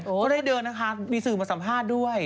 ก็ได้เดินนะคะมีสื่อมาสัมภาษณ์ด้วย